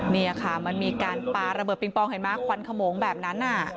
นี่ค่ะมันมีการปาระเบิดปิงปองเห็นไหมควันขโมงแบบนั้น